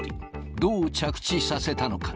どう着地させたのか。